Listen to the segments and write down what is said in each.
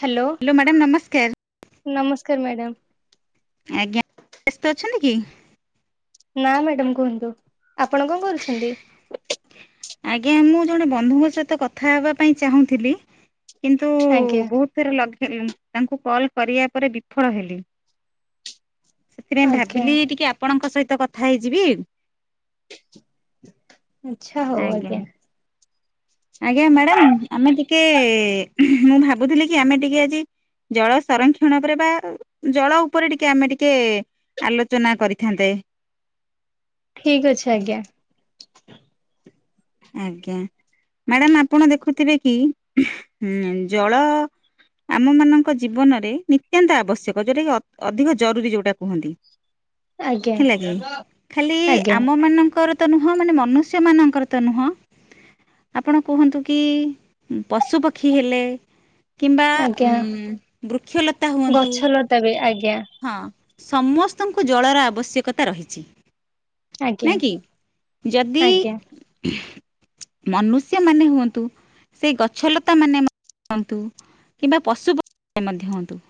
Hello. Hello madam ନମସ୍କାର। ନମସ୍କାର madam. ଆଜ୍ଞା ବ୍ୟସ୍ତ ଅଛନ୍ତି କି? ନା ମ୍ୟାଡାମ କୁହନ୍ତୁ ଆପଣ କଣ କରୁଛନ୍ତି? ଆଜ୍ଞା ମୁଁ ଜଣେ ବନ୍ଧୁଙ୍କ ସହିତ କଥା ହେବା ପାଇଁ ଚାହୁଁଥିଲି କିନ୍ତୁ ଆଜ୍ଞା। ବହୁତ ଥର ଲଗେଇ ତାଙ୍କୁ କଲ୍ କରିବା ପରେ ବିଫଳ ହେଲି ସେଥିପାଇଁ ଆଜ୍ଞା ଭାବିଲି ଟିକେ ଆପଣଙ୍କ ସହିତ କଥା ହେଇଯିବି। ଆଛା ହଉ ଆଜ୍ଞା। ଆଜ୍ଞା ମ୍ୟାଡ଼ାମ ଆମେ ଟିକେ ମୁଁ ଭାବୁଥିଲି କି ଆମେ ଟିକେ ଆଜି ଜଳ ସଂରକ୍ଷଣ ପରେରେ ବା ଜଳ ଉପରେ ଟିକେ ଆମେ ଟିକେ। ଆଲୋଚନା କରିଥାନ୍ତେ। ଠିକ୍ ଅଛି ଆଜ୍ଞା। ଆଜ୍ଞା ମ୍ୟାଡାମ ଆପଣ ଦେଖୁଥିବେ କି ଜଳ ଆମମାନଙ୍କ ଜୀବନରେ ନିତ୍ୟାନ୍ତ ଆବଶ୍ୟକ ଯେଉଁଟାକି ଅଧିକ ଜରୁରୀ ଯେଉଁଟା କୁହନ୍ତି। ଆଜ୍ଞା ହେଲା କି ଖାଲି ଆଜ୍ଞା ଆମ ମାନଙ୍କର ନୁହଁ ମାନେ ମୁଷ୍ୟ ମାନଙ୍କର। ତ ନୁହଁ ଆପଣ କୁହନ୍ତୁ କି ପଶୁ ପକ୍ଷୀ ହେଲେ। କିମ୍ବା ଆଜ୍ଞା ବୃକ୍ଷଲତା ହୁଅନ୍ତୁ। ତବେ ଆଜ୍ଞା। ହଁ ସମସ୍ତଙ୍କୁ ଜଳର ଆବଶ୍ୟକତା ରହିଛି। ଆଜ୍ଞା ନ କିି ଯଦି। ଆଜ୍ଞା ମନୁଷ୍ୟ ମାନେ ହୁଅନ୍ତୁ। ସେ ଗଛଲତା ମାନ ହୁଅନ୍ତୁ କିମ୍ବା ପଶୁ ମଧ୍ୟ ହୁଅନ୍ତୁ।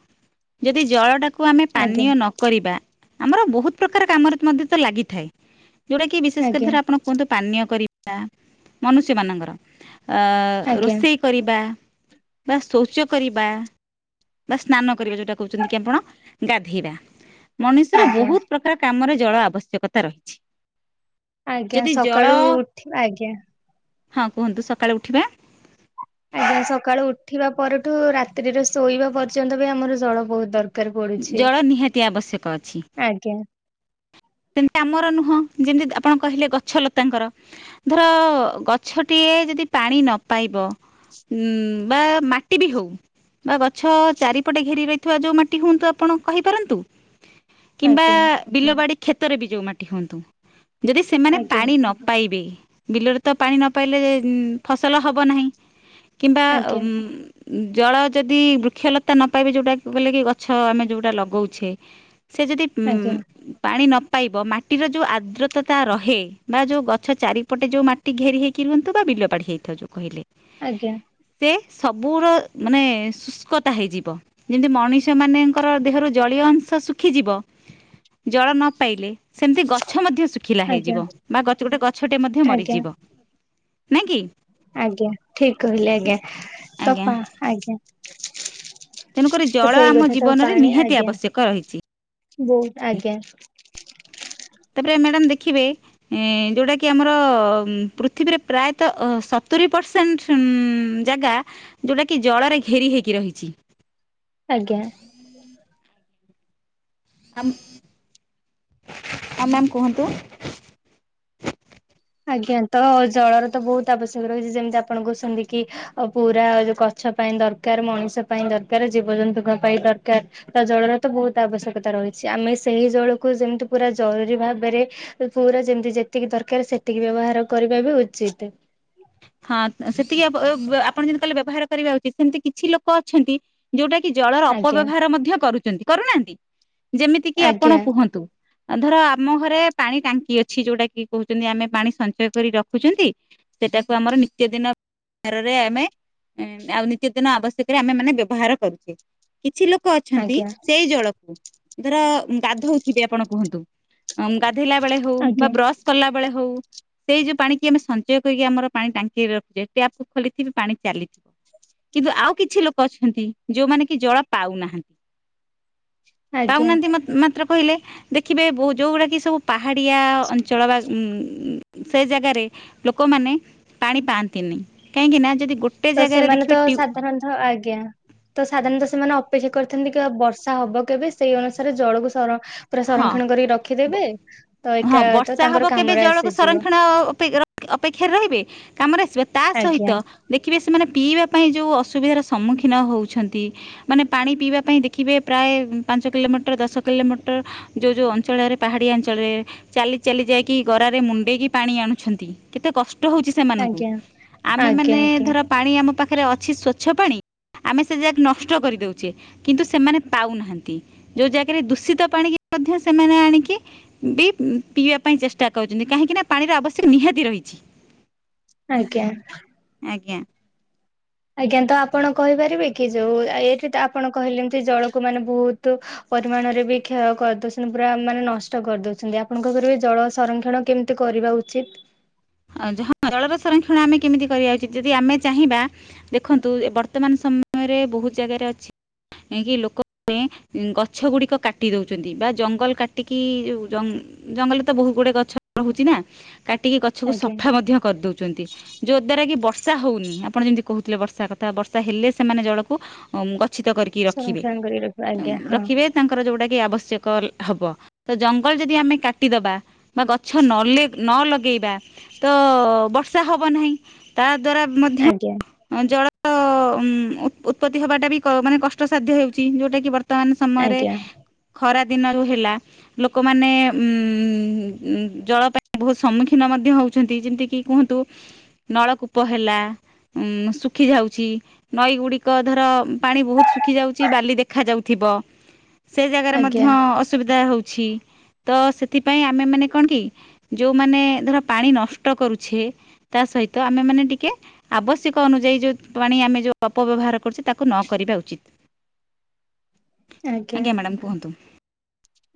ଯଦି ଜଳଟା ୁ ଆମେ ପାନୀୟ ଆଜ୍ଞା ନ କରିବା ଆମର ବହୁତ ପ୍ରକାର କାମରେ ଲାଗିଥାଏ। ଯୋଉଟା କି ବିଶେଷ କରି ଆଜ୍ଞା ଧର ଆପଣ କୁହନ୍ତୁ ପାନୀୟ କରିବା ମନୁଷ୍ୟ ମାନଙ୍କର ଆଜ୍ଞା ରୋଷେଇ କରିବା ବା ଶୌଚ କରିବା ବା ସ୍ନାନ କରିବା ଯୋଉଟା କହୁଛନ୍ତି କି ଆପଣ ଗାଧେଇବା ମଣିୁଷର ଆଜ୍ଞା ବହୁତ ପ୍ରକାର କାମରେ ଜଳ ଆବଶ୍ୟକତା ରହିଛି। ଆଜ୍ଞା ଯଦି ଜଳ ସକାଳୁ ଉଠିବ ଆଜ୍ଞା। ହଁ କୁହନ୍ତୁ ସକାଳେୁ ଉଠିବା। ଆଜ୍ଞା ସକାଳୁ ଉଠିବା ପରଠୁ ରାତିିରେ ଶୋଇବା ପର୍ଯ୍ୟନ୍ତ ବି ଆମର ଜଳ ବହୁତ୍ ଦର୍ ପଡ଼ୁଛି ଜଳ ନିହାତି ଆବଶ୍ୟକ ଆଜ୍ଞା। ସେମତି ଆମର ନୁହଁ ଯେମିତି ଆପଣ କହିଲେ ଗଛ ଲତାଙ୍କର। ଧର ଗଛଟିଏ ଯଦି ପାଣି ନ ପାଇବ ଉଁ ବା ମାଟି ବି ହଉ। ବା ଗଛ ଚାରିପଟେ ଘେରି ରହିଥିବା ଯୋଉ ମାଟି ହୁଅନ୍ତୁ ଆପଣ କହିପାରନ୍ତୁ। କିମ୍ବା ଆଜ୍ଞା ବିଲ ବାଡି କ୍ଷେତରେ ବି ଯଉ ମାଟି ହୁଅନ୍ତୁ ଯଦି ସେମାନେ ଆଜ୍ଞା ପାଣି ନ ପାଇବେ ବିଲରେ ତ ପାଣି ନ ପାଇଲେ ଫସଲ ହବ ନାହିଁ। କିମ୍ବା ଆଜ୍ଞା ଉଁ ଜଳ ଯଦି ବୃକ୍ଷଲତା ନ ପାଇବେ ଯୋଉଟା କହିଲେ କି ଗଛ ଆମେ ଯୋଉଟା ଲଗଉଛେ। ସେ ଯଦି ଉଁ ଆଜ୍ଞା ପାଣି ନପାଇବ ମାଟିର ଯେଉଁ ଆର୍ଦ୍ରତାତା ରହେ ବା ଯେଉଁ ଗଛ ଚାରିପଟେ ଯେଉଁ ମାଟି କି ଘେରି ହେଇକି ବା ବିଲ ବାଡି ହେଇଥାଉ ଯୋଉ କହିଲେ। ଆଜ୍ଞା। ସେ ସବୁର ମାନେ ଶୁଷ୍କତା ହେଇଯିବ। ଯେମିତି ମଣିଷ ମାନଙ୍କର ଦେହରୁ ଜଳୀୟ ଅଂଶ ଶୁଖିଯିବ ଜଳ ନ ପାଇଲେ। ସେମିତି ଗଛ ମଧ୍ୟ ଶୁଖିଲା ଆଜ୍ଞା ହେଇଯିବ ବା ଗୋଟେ ଗଛଟେ ମଧ୍ୟ ଆଜ୍ଞା ମରିଯିବ। ନାଇଁ କି? ଆଜ୍ଞା ଠିକ କହିଲେ ଆଜ୍ଞା ତ ଆଜ୍ଞା ପା ଆଜ୍ଞା ତେଣୁକରି ତ ଜଳ ସେଇ ଆମ କଥା ଜୀବନରେ ନିହାତି ଆବଶ୍ୟକ ରହିଚି। ବହୁ ଆଜ୍ଞା। ତାପରେ ମ୍ୟାଡାମ୍ ଦେଖିବେ ଏଁ ଯୋଉଟା କି ଆମର ପୃଥିବୀରେ ପ୍ରାୟତଃ ଅ ସତୁରି ପର୍ସ ସେଣ୍ଟ୍ ଉଁ ଉଁ ଜାଗା ଯୋଉଟା କି ଜଳରେ ଘେରି ହେଇକି ରହିଚି। ଆଜ୍ଞା। ଆମ ହଁ ମ୍ୟାମ୍ କୁହନ୍ତୁ। ଆଜ୍ଞା ତ ଜଳର ତ ବହୁତ ଆବଶ୍ୟକ ରହିଛି ଯେମିତି ଆପଣ କହୁଛନ୍ତି କି ଆଉ ପୁରା ଯୋଉ ଗଛ ପାଇଁ ଦରକାର୍ ମଣିଷ ପାଇଁ ଦରକାର୍ ଜୀବଜନ୍ତୁଙ୍କ ପାଇଁ ଦରକାର୍। ତ ଜଳର ତ ବହୁତ ଆବଶ୍ୟକତା ରହିଛି ଆମେ ସେଇ ଜଳକୁ ଯେମିତି ପୁରା ଜରୁରୀ ଭାବରେ ପୁରା ଯେମିତି ଯେତିକି ଦରକାର ସେତିକି ବ୍ୟବହାର କରିବା ବି ଉଚିତ୍। ହଁ ସେତିକି ଆପ ବ ଆପଣ ଯେମିତି କହିଲେ ବ୍ୟବହାର କରିବା ଉଚିତ ସେମିତି କିଛି ଲୋକ ଅଛନ୍ତି ଯୋଉଟା କି ଜଳର ଆଜ୍ଞା। ଅପବ୍ୟବହାର ମଧ୍ୟ କରୁଚନ୍ତି କରୁନାହାନ୍ତି ଯେମିତି କିି ଆପଣ ଆଜ୍ଞା କୁହନ୍ତୁ ଧର ଆମ ଘରେ ପାଣି ଟାଙ୍କି ଅଛି ଯୋଉଟା କି କହୁଛନ୍ତି ଆମେ ପାଣି ସଞ୍ଚୟ କରି ରଖୁଛନ୍ତି। ସେଟାକୁ ଆମର ନିତ୍ୟ ଦିନ ଆରରେ ଆମେ ଏଁ ଆଉ ନିତ୍ୟ ଦିନ ଆବଶ୍ୟକରେ ଆମେ ମାନେ ବ୍ୟବହାର କରୁଛେ। କିଛି ଲୋକ ଅଛନ୍ତି ଆଜ୍ଞା ସେଇ ଜଳକୁ ଧର ଗାଧଉଥିବେ ଆପଣ କୁହନ୍ତୁ ଉମ ଗାଧେଇଲା ବେଳେ ହଉ ବା ଆଜ୍ଞା ବ୍ରସ୍ କଲା ବେଳେ ହଉ ସେଇ ଯୋଉ ପାଣି କିି ଆମେ ସଞ୍ଚୟ କରିକି ଆମର ପାଣି ଟାଙ୍କିରେ ରଖିଥିବେ ଟ୍ୟାପ୍ କୁ ଖୋଲିଥିବେ ପାଣି ଚାଲିଥିବ। କିନ୍ତୁ ଆଉ କିଛି ଲୋକ ଅଛନ୍ତି ଯୋଉମାନେ କି ଜଳ ପାଉନାହାନ୍ତି। ଆଜ୍ଞା ପାଉନାହାନ୍ତି ମାତ୍- ମାତ୍ର କହିଲେ ଦେଖିବେ ଯୋଉ ଗୁଡ଼ା କି ସବୁ ପାହାଡି଼ଆ ଅଞ୍ଚଳ ବା ଉଁ ଉଁ ଉଁ ସେ ଜାଗାରେ ଲୋକମାନେ ପାଣି ପାଆନ୍ତିନି କାଇଁକି ନା ଯଦି ଗୋଟେ ତ ଜାଗାରେ ସେମାନେ ଦେଖିବେ ତ ଟ୍ୟୁ ସାଧାରଣତଃ ଆଜ୍ଞା। ତ ସାଧାରଣତଃ ସେମାନେ ଅପେକ୍ଷା କରିଥାନ୍ତି କି ବର୍ଷା ହବ କେବେ ସେଇ ଅନୁସାରେ ଜଳକୁ ସର ପୁରା ହଁ ସଂରକ୍ଷଣ କରିକି ରଖିଦେବେ ତ ହଁ ଏକା ତ ବର୍ଷା ହବ ତାଙ୍କର କେବେ କାମରେ ଜଳକୁ ଆସିଯିବ। ସଂରକ୍ଷଣ ଅପେକ୍ଷାରେ ରହିବେ କାମରେ ଆସିବ ତା ସହିତ ଆଜ୍ଞା ଦେଖିବେ ସେମାନେ ପିଇବା ପାଇଁ ଯେଉ ଅସୁବିଧାର ସମ୍ମୁଖୀନ ହୋଉଛନ୍ତି। ମାନେ ପାଣି ପିଇବା ପାଇଁ ଦେଖିବେ ପ୍ରାୟ ପାଞ୍ଚ କିଲୋମିଟର ଦଶ କିଲୋମିଟର ଟର୍ ଯୋଉ ଯୋଉ ଅଞ୍ଚଳରେ ପାହାଡ଼ିଆ ଅଞ୍ଚଳରେ ଚାଲି ଚାଲି ଯାଇକି ଗରାରେ ମୁଣ୍ଡେଇକି ପାଣି ଆଣୁଛନ୍ତି କେତେ କଷ୍ଟ ହଉଛି ସେମାନୁଙ୍କୁ ଆଜ୍ଞା ଆମେ ଆଜ୍ଞା ମାନେ ଆଜ୍ଞା। ଧର ପାଣି ଆମ ପାଖରେ ଅଛି ସ୍ଵଚ୍ଛ ପାଣି ଆମେ ସେ ଜାକ୍ ନଷ୍ଟ କରିଦଉଚେ କିନ୍ତୁ ସେମାନେ ପାଉନାହାନ୍ତି ଯୋଉ ଜାଗାରେ ଦୂଷିତ ପାଣିକି ମଧ୍ୟ ସେମାନେ ଆଣିକି ବି ପିଇଆ ପାଇଁ ଚେଷ୍ଟା କରୁଛନ୍ତି କାହିଁକି ନା ପାଣିର ଆବଶ୍ୟକ ନିହାତି ରହିଛି। ଆଜ୍ଞା। ଆଜ୍ଞା। ଆଜ୍ଞା ତ ଆପଣ କହିପାରିବେ କି ଯୋଉ ଏଇଠି ତ ଆପଣ କହିଲେ ଏମତି ଜଳକୁ ମାନେ ବୋହୁତୁ ପରିମାଣରେ ବି କ୍ଷୟ କରିଦୋଉଛନ୍ତି ପୁରା ମାନେ ନଷ୍ଟ କରିଦୋଉଛନ୍ତି ଆପଣଙ୍କ ଘରେ ବି ଜଳ ସଂରକ୍ଷଣ କେମି ତେ କରିବା ଉଚିତ୍। ଅ ଜ ହଁ ଜଳର ସଂରକ୍ଷଣ ଆମେ କେମିତି କରିବା ଉଚିତ ଯଦି ଆମେ ଚାହିଁବା ଦେଖନ୍ତୁ ଏ ବର୍ତ୍ତମାନ ସମୟରେ ବହୁତ ଜାଗାରେ ଅଛି ଇଁ କି ଲୋକ ତେଁ ଉଁ ଗଛ ଗୁଡ଼ିକ କାଟି ଦୋଉଚନ୍ତି ବା ଜଙ୍ଗଲ କାଟିକି ଯୋଉ ଜଂ ଜଙ୍ଗଲେ ତ ବହୁ ଗୁଡ଼େ ଗଛ ରହୁଛି ନା କାଟିକି ଗଛକୁ ଆଜ୍ଞା ସଫା ମଧ୍ୟ କରି ଦୋଉଚନ୍ତି। ଯୋ ଦ୍ଵାରା କି ବର୍ଷା ହଉନି। ଆପଣ ଯେମିତି କହୁଥିଲେ ବର୍ଷା କଥା ବର୍ଷା ହେଲେ ସେମାନେ ଜଳକୁ ଅଁ ଗଚ୍ଛିତ କରିକି ରଖିବେ ସଂରକ୍ଷଣ କରି ରଖିବା ଅମ୍ ଆଜ୍ଞା ହଁ ରଖିବେ। ତାଙ୍କର ଯୋଉଟା କି ଆବଶ୍ୟକ ଲ୍ ହବ ତ ଜଙ୍ଗଲ ଯଦି ଆମେ କାଟିଦବା ବା ଗଛ ନଲେ ନ ଲଗେଇବା। ତ ବର୍ଷା ହବ ନାହିଁ ତା ଦ୍ଵାରା ମଧ୍ୟ ଆଜ୍ଞା। ଅଁ ଜଳ ଉଁ ଉ ଉତ୍ପତି ହବାଟା ବି କ ମାନେ କଷ୍ଟସାଧ୍ୟ ହେଉଚି। ଯୋଉଟା କି ବର୍ ତମାନ ସମୟରେ ଆଜ୍ଞା ଖରା ଦିନରୁ ହେଲା। ଲୋକମାନେ ଉଁ ଜଳ ପାଇଁ ବହୁ ସମ୍ମୁଖୀନ ମ ଇଏ ହଉଛନ୍ତି। ଯେମିତି କିି କୁହନ୍ତୁ ନଳକୂପ ହେଲା ଉଁ ଶୁଖି ଯାଉଛି। ନଈ ଗୁଡ଼ିକ ଧର ପାଣି ବହୁତ ଶୁଖି ଯାଉଛି ବାଲି ଦେଖା ଯାଉଥିବ। ସେ ଜାଗାରେ ଆଜ୍ଞା ଆଜ୍ଞା ମଧ୍ୟ ଅସୁବିଧା ହେଉଛି। ତ ସେଥିପାଇଁ ଆମେ ମାନେ କଣ କି ଯୋଉମାନେ ଧର ପାଣି ନଷ୍ଟ କରୁଛେ। ତା ସହିତ ଆମେ ମାନେ ଟିକେ ଆବଶ୍ୟକ ଅନୁଯାୟୀ ଯୋଉ ପାଣି ଆମେ ଯୋଉ ଅପବ୍ୟବହାର କରୁଛେ ତାକୁ ନ କରିବା ଉଚିତ୍। ଆଜ୍ଞା ମାଡ଼ାମ୍ କୁହନ୍ତୁ।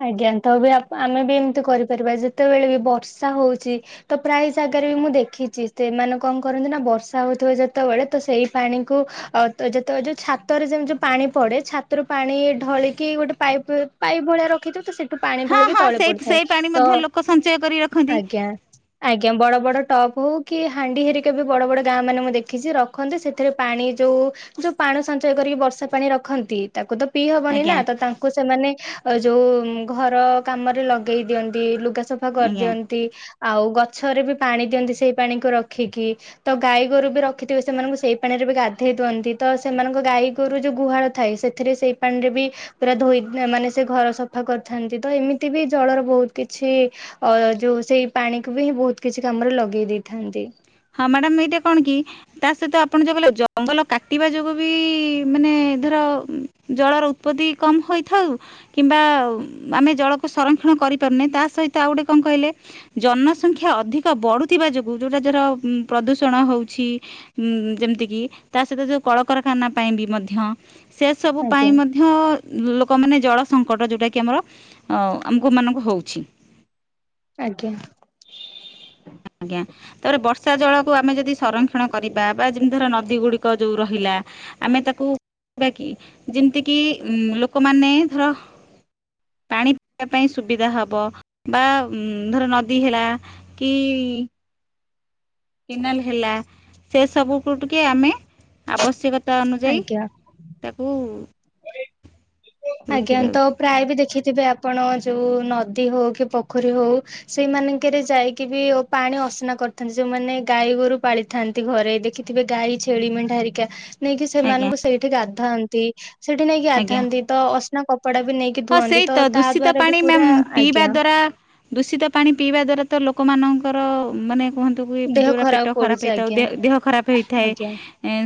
ଆଜ୍ଞା ତ ବି ଆ ଆମେ ବି ଏମିତି କରିପାରିବା ଯେତେବେଳେ ବି ବର୍ଷା ହଉଚି ତ ପ୍ରାୟ ଜାଗାରେ ବି ମୁଁ ଦେଖିଚି। ସେମାନେ କଁ କରନ୍ତି ନାଁ ବର୍ଷା ହଉଥୁବ ଯେତବେଳେ ତ ସେଇ ପାଣିକୁ ଅ ତ ଯେତ ଯୋଉ ଛାତରେ ଯେମିତି ଯୋଉ ପାଣି ପଡ଼େ। ଛାତରୁ ପାଣି ଢଳିକି ଗୋଟେ ପାଇପ୍ ପାଇପ୍ ଭଳିଆ ର ଖିତୁ ତ ସେଠୁ ପାଣି ହଁ ଢଳିକି ହଁ ତଳେ ସେଇ ପଡ଼ୁଥାଏ ସେଇ ପାଣି ତ ମଧ୍ୟ ଲୋକ ସଞ୍ଚୟ କରି ରଖନ୍ତି ଆଜ୍ଞା। ଆଜ୍ଞା ବଡ଼ ବଡ଼ ଟପ୍ ହୋଉ କି ହାଣ୍ଡି ହେରିକା ବି ବଡ଼ ବଡ଼ ଗାଁ ମାନେ ମୁଁ ଦେଖିଚି ର ଖନ୍ତି ସେଥିରେ ପାଣି ଯୋଉ ଯୋଉ ପାଣୁ ସଞ୍ଚୟ କରିକି ବର୍ଷା ପାଣି ରଖନ୍ତି। ତାକୁ ତ ପିଇ ହବନି ନା ଆଜ୍ଞା ତ ତାଙ୍କୁ ସେମାନେ ଅ ଯୋଉ ଘର କାମରେ ଲଗେଇ ଦିଅନ୍ତି। ଲୁଗା ସଫା ଆଜ୍ଞା କରିଦିଅ ନ୍ତି। ଆଉ ଗଛରେ ବି ପାଣି ଦିଅନ୍ତି। ସେଇ ପାଣିକୁ ରଖିକି। ତ ଗାଈ ଗୋରୁ ବି ରଖିଥିବେ ସେମାନୁଙ୍କୁ ସେଇ ପାଣିରେ ବି ଗାଧେଇ ଦୁଅନ୍ତି। ତ ସେମାନୁଙ୍କୁ ଗାଈ ଗୋରୁ ଯୋଉ ଗୁହାଳ ଥାଏ ସେ ଥିରେ ସେଇ ପାଣିରେ ବି ପୁରା ଧୋଇଗ୍ନା ମାନେ ସେ ଘର ସଫା କରିଥାନ୍ତି ତ ଏମିତି ବି ଜଳର ବୋହୁତ କିଛି ଅ ଯୋଉ ସେଇ ପାଣିକୁ ବି ବୋହୁତ କିଛି କାମରେ ଲଗେଇ ଦେଇଥାନ୍ତି। ହଁ ମାଡ଼ାମ ଏଇଟା କଣ କି ତା ସହିତ ଆପଣ ଯୋଉ କହିଲେ ଜଙ୍ଗଲ କାଟିବା ଯୋଗୁଁ ବି ମାନେ ଧର ଜଳର ଉତ୍ପତ୍ତି କମ ହୋଇଥାଉ କିମ୍ବା ଆମେ ଜଳକୁ ସଂରକ୍ଷଣ କରିପାରୁନେ ତା ସହିତ ଆଉ ଗୋଟେ କଁ କହିଲେ ଜନସଂଖ୍ୟା ଅଧିକ ବଢ଼ୁଥିବା ଯୋଗୁଁ ଯୋଉଟା ଯର ଉଁ ପ୍ରଦୂଷଣ ଉଁ ହଉଛି ଯେମତି କି ତା ସହିତ ଯୋଉଁ୍ କଳକାରଖାନା ପାଇଁ ବି ମଧ୍ୟ ସେ ସବୁ ଆଜ୍ଞା ପାଇଁ ମଧ୍ୟ ଲୋକମାନେ ଜଳ ସଙ୍କଟ ଯୋଉଟା କି ଆମର ଅଁ ଆମୁକୁ ମାନଙ୍କୁ ହଉଛି। ଆଜ୍ଞା। ଆଜ୍ଞା। ତାପରେ ବର୍ଷା ଜଳକୁ ଆମେ ଯଦି ସଂରକ୍ଷଣ କରିବା, ବା ଯେମିତି ଧର ନଦୀ ଗୁଡ଼ିକ ଯୋଉ ରହିଲା ଆମେ ତାକୁ ବାକି ଯେମ୍ତି କିି ଉଁ ଲୋକମାନେ ଧର ପାଣି ପିଇବା ପାଇଁ ସୁବିଧା ହବ, ବା ଧର ନଦୀ ହେଲା କି କେନାଲ୍ ହେଲା ସେ ସବୁକୁ ଟିକେ ଆମେ ଆବଶ୍ୟକତା ଅନୁଯାୟୀ ତାକୁ ଆଜ୍ଞା ରୋକିବା ତ ଉଚିତ ପ୍ରାୟ ବି ଦେଖିଥିବେ ଆପଣ ଯୋଉ ନଦୀ ହଉ କି ପୋଖରୀ ହଉ ସେଇମାନଙ୍କରେ ଯାଇକି ବି ପାଣି ଅସନା କରିଥାନ୍ତି, ଯୋଉମାନେ ଗାଈ ଗୋରୁ ପାଳି ଥାନ୍ତି ଘରେ ଦେଖିଥିବେ ଗାଈ ଛେଳି ମେଣ୍ଢାହେରିକା ନେଇକି ଆଜ୍ଞା ସେମାନଙ୍କୁ ସେଇଠି ଗାଧାନ୍ତି, ସେଇଠି ନେଇକି ଆଜ୍ଞା ଗାଧାନ୍ତି। ତ ଅସ୍ନା କପଡା ବି ନେଇକି ହଁ ସେଇ ଧୁଅନ୍ତି, ତ ତା ଦୂଷିତ ଦ୍ଵାରା ପାଣି ବି ମ୍ୟାମ୍ ପୁରା ପିଇବା ଆଜ୍ଞା। ଦ୍ଵାରା ଦୂଷିତ ପାଣି ପିଇବା ଦ୍ଵାରା ତ ଲୋକମାନଙ୍କର ମାନେ କୁହନ୍ ଦେହ ଯେଉଟା ଖରାପ ପେଟ ଖରାପ୍ ପଡୁଛି ହେଇଥାଉ ଆଜ୍ଞା ଦେହ ଖରାପ୍ ଆଜ୍ଞା ହେଇଥାଏ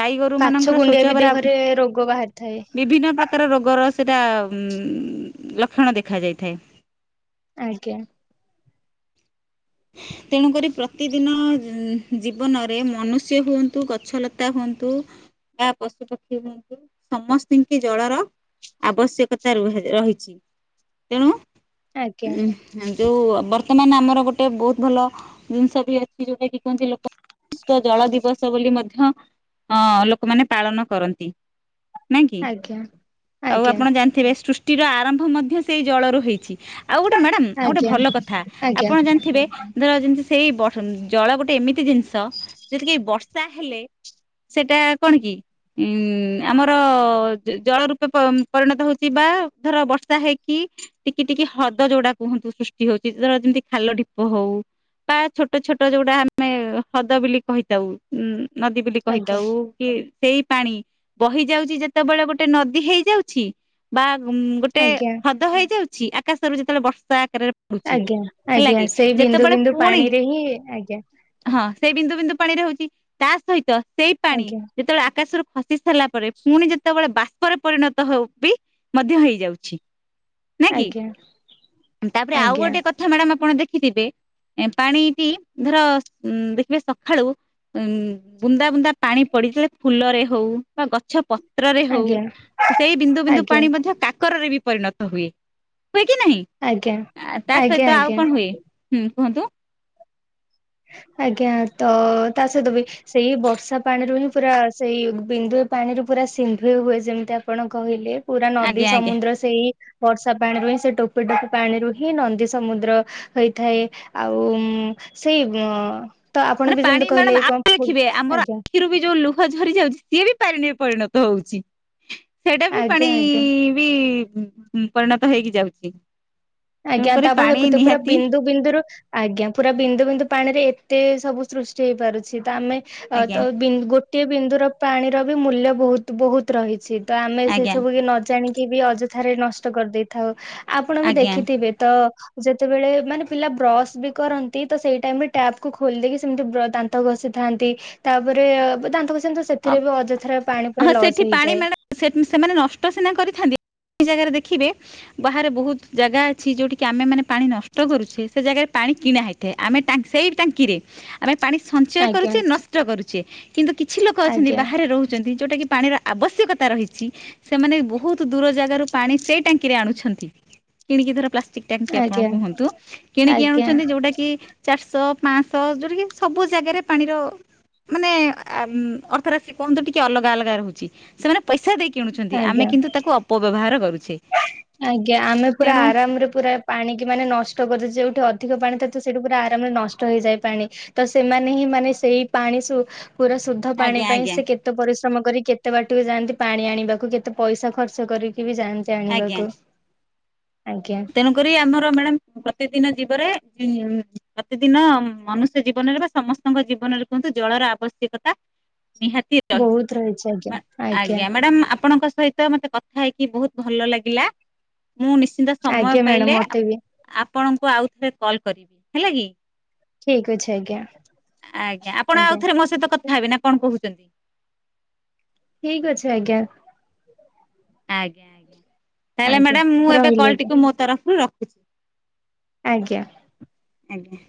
ଗାଈ ଗୋରୁମାନଙ୍କର ଶୌଚ ହେବର ରେ ରୋଗ ବାହାରିଥାଏ। ବିଭିନ୍ନ ପ୍ରକାର ରୋଗର ସେଇଟା ଲକ୍ଷଣ ଦେଖାଯାଇଥାଏ। ଆଜ୍ଞା। ତେଣୁ କରି ପ୍ରତିଦିନ ଜୀବନରେ ମନୁଷ୍ୟ ହୁଅନ୍ତୁ ଗଛ ଲତା ହୁଅନ୍ତୁ ବା ପଶୁ ପକ୍ଷୀ ହୁଅନ୍ତୁ ସମସ୍ତିଙ୍କି ଜଳର ଆବଶ୍ୟକତା ରହିଛି, ତେଣୁ ଆଜ୍ଞା ଉଁ ଯୋଉ ବର୍ତ୍ତମାନ୍ ଆମର ଗୋ ଗୋଟେ ବହୁତ୍ ଭଲ ଜିନିଷ ବି ଅଛି ଯୋଉଟା କି କହନ୍ତି ଲୋକ ବିଶ୍ଵ ଜଳ ଦିବସ ବୋଲି ମଧ୍ୟ ଲୋକମାନେ ପାଳନ କରନ୍ତି। ନାଇଁ କି ଆଜ୍ଞା ଆଉ ଆଜ୍ଞା ଆପଣ ଜାଣିଥିବେ ସୃ ଷ୍ଚି ର ଆରମ୍ଭ ମଧ୍ୟ ସେଇ ଜଳରୁ ହେଇଛି, ଆଉ ଗୋଟେ ମ୍ୟାଡ଼ାମ୍ ଆଉ ଗୋଟେ ଆଜ୍ଞା ଭଲ କଥା ଆଜ୍ଞା ଆପଣ ଜାଣି ଥିବେ ଧର ଯେମ୍ତି ସେଇ ଜଳ ଗୋଟେ ଏମିତି ଜିନିଷ ଯେତିକି ବର୍ଷା ହେଲେ ସେଇଟା କଣ କି ଉଁ ଆମର ଜଳ ରୂପେ ପରିଣତ ହଉଚି ବା ଧର ବର୍ଷା ହେଇକି ଟିକି-ଟିକି ହ୍ରଦ ଯୋଉଡା କୁହନ୍ତି ସୃଷ୍ଟି ହଉଚି [unintelligible] ଯେମ୍ତି ଖାଲ ଢ଼ୀ ପ ହଉ ବା ଛୋଟ-ଛୋଟ ଯୋଉଟା ଆମେ ହ୍ରଦ ବୋଲି କହିଥାଉ [unintelligible] ନଦୀ ବୋଲି ଆଜ୍ଞା କହିଥାଉ। କି ସେଇ ପାଣି ବହି ଯାଉଚି ଯେତବଳେ ଗୋଟେ ନଦୀ ହେଇଯାଉଛି ବା ଗୋଟେ ଆଜ୍ଞା ହ୍ରଦ ହେଇଯାଉଛି, ଆକାଶରୁ ଯେତେବେଳେ ବର୍ଷା ଆକାରରେ ପଡୁଛି ହେଲା ଆଜ୍ଞା-ଆଜ୍ଞା କି ସେଇ ଯେତେବେଳେ ବିନ୍ଦୁ-ବିନ୍ଦୁ ପୁଣି ପାଣି ରେ ହିଁ ଆଜ୍ଞା ହଁ ସେଇ ବିନ୍ଦୁ-ବିନ୍ଦୁ ପାଣିରେ ହଉଛି ତା ସହିତ ସେଇ ପାଣି ଆଜ୍ଞା ଯେତବଳେ ଆକାଶରୁ ଖସ୍ ସି ସାରିଲା ପରେ ପୁଣି ଯେତେବେଳେ ବାଷ୍ପରେ ପରିଣତ ହଉ ବି ମଧ୍ୟ ହେଇଯାଉଛି। ନା କି, ଆଜ୍ଞା ତାପରେ ଆଉ ଆଜ୍ଞା ଗୋଟେ କଥା ମ୍ୟାଡମ୍ ଆପଣ ଦେ ଖିଥିବେ ପାଣିଟି ଧର ଦେଖିବେ ସଖାଳୁ ଉଁ ବୁନ୍ଦା-ବୁନ୍ଦା ପାଣି ପଡି ଫୁଲରେ ହଉ ବା ଗଛ ପତ୍ରରେ ଆଜ୍ଞା ହଉ ଆଜ୍ଞା ସେଇ ବିନ୍ଦୁ-ବିନ୍ଦୁ ଆଜ୍ଞା ପାଣି ମଧ୍ୟ କାକରରେ ବି ପରିଣତ ହୁଏ-ହୁଏ କି ନାହିଁ, ଆଜ୍ଞା ଆ ତା ଆଜ୍ଞା ସହିତ ଆଉ ଆଜ୍ଞା କଣ ହୁଏ ହୁଁ କୁହନ୍ତୁ? ଆଜ୍ଞା ତ ତା ସହିତ ବି ସେଇ ବର୍ଷା ପାଣିରୁ ହିଁ ପୁରା ସେଇ ବିନ୍ଦୁଏ ପାଣିରୁ ପୁରା ସିନ୍ଧୁଏ ହୁଏ ଯେମିତି ଆପଣ କହିଲେ। ପୁରା ନଦୀ ଆଜ୍ଞା ଆଜ୍ଞା ସମୁଦ୍ର ସେଇ ବର୍ଷା ପାଣିରୁ ହିଁ ସେ ଟୋପେ-ଟୋପେ ପାଣିରୁ ହିଁ ନଦୀ ସମୁଦ୍ର ହୋଇଥାଏ, ଆଉ ସେଇ ହଁ ତ ଆପଣ ମାନେ ବି ପାଣି ଯେମ୍ତି ମ୍ୟାଡାମ କହିଲେ ଆଉ [unintelligible] ଦେଖିବେ ଆମର ଆଜ୍ଞା ଆଖିରୁ ବି ଯୋଉ ଲୁହ ଝରି ଯାଉଛି, ସିଏ ବି ପାଣିରେ ପରିଣତ ହଉଚି। ସେଇଟା ବି ପାଣି ଆଜ୍ଞା ଆଜ୍ଞା ବି ପରିଣତ ହେଇକି ଯାଉଛି। ଆଜ୍ଞା ତେଣୁକରି ତ ଆପଣ ପାଣି ଦେଖୁଥିବେ, ପୁରା ନିହାତି ବିନ୍ଦୁ ବିନ୍ଦୁ ରୁ ଆଜ୍ଞା ପୁରା ବିନ୍ଦୁ-ବିନ୍ଦୁ ପାଣି ରେ ଏତେ ସବୁ ସୃଷ୍ଟି ହେଇପାରୁଛି ତ ଆମେ ଆ ଆଜ୍ଞା ତ ବି ଗୋଟିଏ ବିନ୍ଦୁର ପାଣିର ବି ମୂଲ୍ୟ ବହୁତ ବହୁତ ରହିଛି ତ ଆମେ ସେ ଆଜ୍ଞା ସବୁକୁ ନ ଜାଣିକି ବି ଅଯଥାରେ ନଷ୍ଟ କରିଦେଇ ଥାଉ ଆପଣ ବି ଆଜ୍ଞା। ଦେଖିଥିବେ ତ ଯେତେବେଳେ ମାନେ ପିଲା ବ୍ରସ ବି କରନ୍ତି ତ ସେଇ ଟାଇମରେ ଟ୍ୟାବକୁୁ ଖୋଲିଦେଇକି ସେମିତି ଦାନ୍ତ ଘଷିଥାନ୍ତି ତାପରେ ଦାନ୍ତ ଘଷିଥାନ୍ତି ସେଥିରେ ବି ଅଯଥାରେ ପାଣି ହଁ ପୁରା ଲସ୍ ସେଠି ପାଣି ହେଇଯାଏ। ମ୍ୟାଡ଼ାମ ସେମାନେ ନଷ୍ଟ ସିନା କରିଥାନ୍ତି ସେ ଜାଗାରେ ଦେଖିବେ ବାହାରେ ବହୁତ ଜାଗା ଅଛି ଯୋଉଠି କିି ଆମେ ମାନେ ପାଣି ନଷ୍ଟ କରୁଛେ ସେ ଜାଗାରେ ପାଣି କିଣା ହେଉ ଆମେ ସେଇ ଟାଙ୍କିରେ ଆମେ ପାଣି ସଞ୍ଚୟ ଆଜ୍ଞା କରୁଛେ ନଷ୍ଟ କରୁଛେ କିନ୍ତୁ କିଛି ଲୋକ ଅଛନ୍ତି ଆଜ୍ଞା ବାହାରେ ରହୁଛନ୍ତି ଯୋଉଟାକି ପାଣିର ଆବଶ୍ୟକତା ରହିଛି ସେମାନେ ବହୁତ ଦୂର ଜାଗାରୁ ପାଣି ସେଇ ଟାଙ୍କିରେ ଆଣୁଛନ୍ତି। କିଣିକି ଧର ପ୍ଲାଷ୍ଟିକ ଟାଙ୍କି ଆପଣ ଆଜ୍ଞା କୁହନ୍ତୁ କିଣିକି ଆଜ୍ଞା ଆଣୁଛନ୍ତି ଯୋଉଟା କି ଚାରିଶହ ପାଞ୍ଚଶହ ଯୋଉଟାକି ସବୁ ଜାଗାରେ ପାଣିର ମାନେ ଅର୍ଥ ରାଶି କୁହନ୍ତୁ ଟିକେ ଅଲଗା ଅଲଗା ରହୁଛି। ସେମାନେ ପଇସା ଦେଇ କିଣୁଛନ୍ତି। ଆଜ୍ଞା। ଆମେ କିନ୍ତୁ ତାକୁ ଅପ ଅପ ବ୍ୟବହାର କରୁଛେ। ଆଜ୍ଞା ଆମେ ପୁରା ତେଣୁ ଆରାମରେ ପୁରା ପାଣି କି ମାନେ ନଷ୍ଟ କରୁଛୁ। ଯେଉଠି ଅଧିକ ପାଣି ଥାଏ। ସେଇଠି ପୁରା ଆରାମରେ ନଷ୍ଟ ହେଇଯାଏ ପାଣି। ତ ସେମାନେ ହିଁ ମାନେ ସେଇ ପାଣି ଶୁ ପୁରା ଶୁଦ୍ଧ ପାଣି ଆଜ୍ଞା ପାଇଁ ଆଜ୍ଞା ସେ କେତେ ତ ପରିଶ୍ରମ କରି କେତେ ବାଟକୁ ଯାଆନ୍ତି ପାଣି ଆଣିବାକୁ। କେତେ ପଇସା ଖର୍ଚ୍ଚ କରିକି ବି ଯାଆନ୍ତି ଆଣିବାକୁ। ଆଜ୍ଞା ଆଜ୍ଞା। ତେଣୁକରି ଆମର ମ୍ୟାମ ପ୍ରତି ଦିନ ଯିବରେ ପ୍ରତିଦିନ ମନୁଷ୍ୟ ଜୀବନରେ ବା ସମସ୍ତଙ୍କ ଜୀବନରେ କୁହନ୍ତୁ। ଜଳର ଆବଶ୍ୟକତା ନିହାତି ଦ ବହୁତ ରହିଛି ଆଜ୍ଞା ଆଜ୍ଞା ମାନେ ଆପଣଙ୍କ ସହିତ ତ ମତେ କଥା ହେଇକି ବହୁତ ଭଲ ଲାଗିଲା। ମୁଁ ନିଶ୍ଚିନ୍ତ ସମୟ ଆଜ୍ଞା ମ୍ୟାଡାମ ପାଇଲେ ମତେ ଆପ ବି ଆପଣଙ୍କୁ ଆଉ ଥରେ କଲ କରିବି। ହେଲା କି? ଠିକ ଅଛି ଆଜ୍ଞା ଆ ଆଜ୍ଞା ଆପଣ ଆଉ ଥରେ ମୋ ସହିତ କଥା ହେବେ ନା କଣ କହୁଛନ୍ତି? ଠିକ ଅଛି ଆଜ୍ଞା। ଆଜ୍ଞା ଆଜ୍ଞା ତାହେଲେ ଆଜ୍ଞା ମ୍ୟାଡ଼ାମ ମୁଁ ଏବେ ରହିଲି ଆଜ୍ଞା କଲଟିକୁ ମୋ ତରଫରୁ ରଖୁଛି। ଆଜ୍ଞା। ଆଜ୍ଞା।